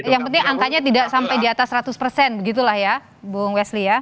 yang penting angkanya tidak sampai di atas seratus persen begitulah ya bung westli ya